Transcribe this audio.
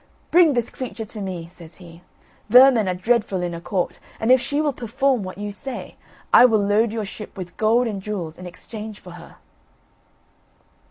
"Bring this creature to me," says he; "vermin are dreadful in a court, and if she will perform what you say, I will load your ship with gold and jewels in exchange for her."